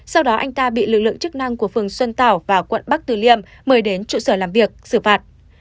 sau đó anh ta bị lực lượng chức năng của phường xuân tảo và quận bắc tử liêm mời đến trụ sở làm việc xử phạt